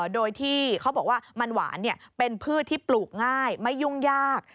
โดยที่เขาบอกว่ามันหวานเป็นพืชที่ปลูกง่ายไม่ยุ่งยาก